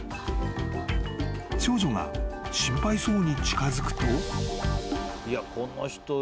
［少女が心配そうに近づくと］